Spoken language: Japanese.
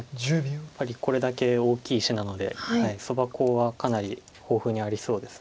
やっぱりこれだけ大きい石なのでソバコウはかなり豊富にありそうです。